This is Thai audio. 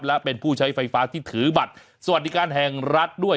และเป็นผู้ใช้ไฟฟ้าที่ถือบัตรสวัสดิการแห่งรัฐด้วย